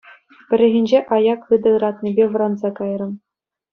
Пӗррехинче аяк хытӑ ыратнипе вӑранса кайрӑм.